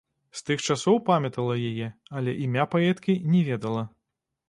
З тых часоў памятала яе, але імя паэткі не ведала.